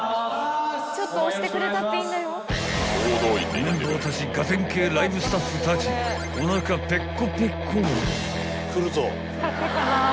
［メンバーたちガテン系ライブスタッフたちおなかペッコペコ］